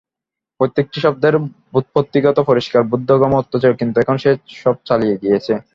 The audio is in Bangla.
প্রত্যেকটি শব্দের ব্যুৎপত্তিগত পরিষ্কার বোধগম্য অর্থ ছিল, কিন্তু এখন সে-সব চলিয়া গিয়াছে।